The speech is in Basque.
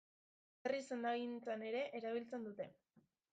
Herri sendagintzan ere erabiltzen dute.